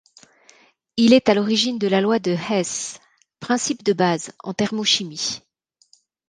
Il est à l'origine de la loi de Hess, principe de base en thermochimie.